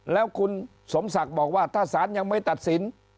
แล้วคุณสมศักดิ์บอกว่าถ้าสารยังไม่ตัดสิน